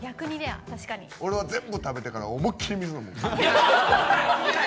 俺は全部食べてから思い切り水飲む。